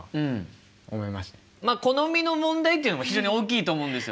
まあ好みの問題っていうのも非常に大きいと思うんですよ。